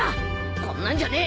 こんなんじゃねえ。